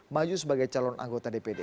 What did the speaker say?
maju sebagai calon anggota dpd